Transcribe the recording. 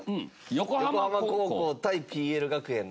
「横浜高校対ＰＬ学園」